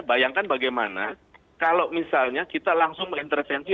bayangkan bagaimana kalau misalnya kita langsung mengintervensi